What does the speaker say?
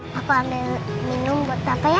bapak ambil minum buat bapak ya